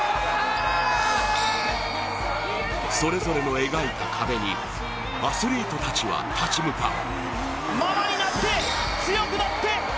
それぞれの描いた壁に、アスリートたちは立ち向かう。